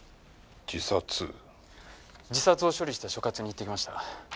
自殺を処理した所轄に行ってきました。